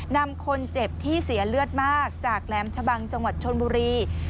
นำคนเจ็บที่เสียเลือดมากจากแหลมชะบังจังหวัดชนบุรี